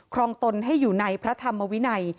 รองตนให้อยู่ในพระธรรมวินัย